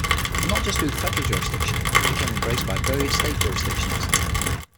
And not just through federal jurisdiction - it became embraced by various state jurisdictions.